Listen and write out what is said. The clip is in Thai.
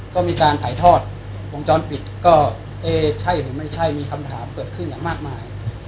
ก็มีการถ่ายทอดวงจรปิดก็เอ๊ะใช่หรือไม่ใช่มีคำถามเกิดขึ้นอย่างมากมาย